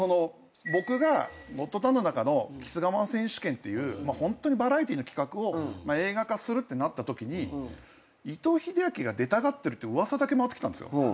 僕が『ゴッドタン』の中のキス我慢選手権っていうホントにバラエティーの企画を映画化するってなったときに伊藤英明が出たがってるって噂だけ回ってきたんですよ。